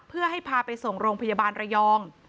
เพื่อให้พาไปส่งโรงพยาบาลระยอง